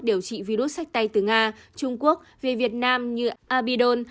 điều trị virus sách tay từ nga trung quốc về việt nam như abidon